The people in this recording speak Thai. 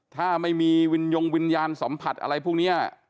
ถ้าไม่มีวิญญงวิญญาณสัมผัสอะไรพวกนี้